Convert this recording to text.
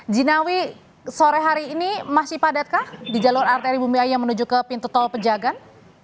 jina wirana sore hari ini masih padatkah di jalur arteri bumi ayu yang menuju ke pintu tol pejagaan